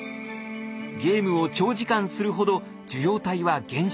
ゲームを長時間するほど受容体は減少。